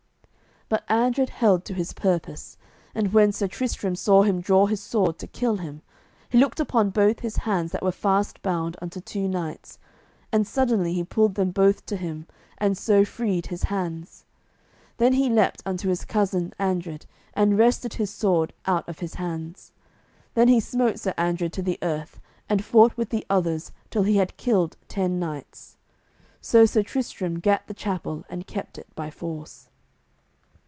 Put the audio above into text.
But Andred held to his purpose, and when Sir Tristram saw him draw his sword to kill him, he looked upon both his hands that were fast bound unto two knights, and suddenly he pulled them both to him and so freed his hands. Then he leaped unto his cousin Andred and wrested his sword out of his hands. Then he smote Sir Andred to the earth, and fought with the others till he had killed ten knights. So Sir Tristram gat the chapel and kept it by force.